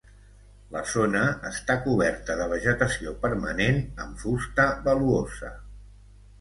La zona està coberta de vegetació permanent amb fusta valuosa.